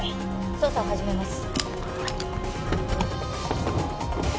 捜査を始めます。